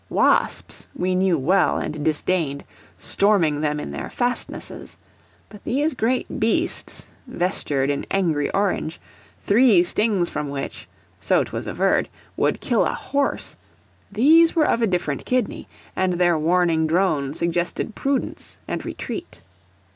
Wasps we knew well and disdained, storming them in their fastnesses. But these great Beasts, vestured in angry orange, three stings from which so 't was averred would kill a horse, these were of a different kidney, and their warning drone suggested prudence and retreat.